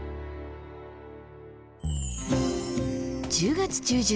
１０月中旬